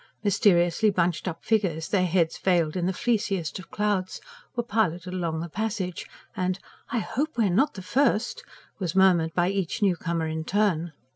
Mysteriously bunched up figures, their heads veiled in the fleeciest of clouds, were piloted along the passage; and: "I HOPE we are not the first!" was murmured by each new comer in turn.